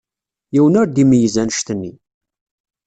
Yiwen ur d-imeyyez annect-nni.